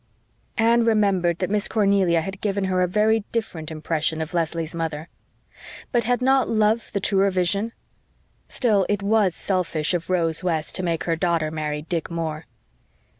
Anne remembered that Miss Cornelia had given her a very different impression of Leslie's mother. But had not love the truer vision? Still, it WAS selfish of Rose West to make her daughter marry Dick Moore.